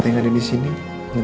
masih gak ada balesan dari nino